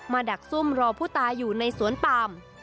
ดักซุ่มรอผู้ตายอยู่ในสวนปาม